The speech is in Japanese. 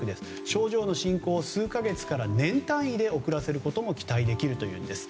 症状の進行を数か月から年単位で遅らせることも期待できるというのです。